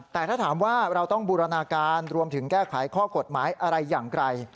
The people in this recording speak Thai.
แต่ถ้าถามว่าเราต้องบูรณาการรวมถึงแก้ไขข้อกฎหมายอะไรอย่างไกล